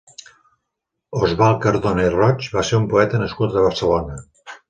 Osvald Cardona i Roig va ser un poeta nascut a Barcelona.